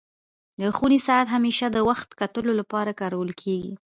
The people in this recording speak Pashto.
د خوني ساعت همېشه د وخت کتلو لپاره کارول کيږي.